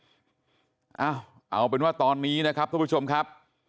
เอาเป็นว่าตอนนี้นะครับทุกผู้ชมครับ